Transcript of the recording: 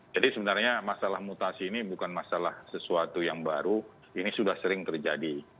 jadi sebenarnya masalah mutasi ini bukan masalah sesuatu yang baru ini sudah sering terjadi